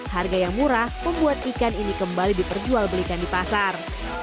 harga yang murah membuat ikan ini kembali diperjual belikan di pasar